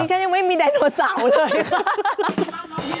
นี่ฉันยังไม่มีแดโนเสาร์เลย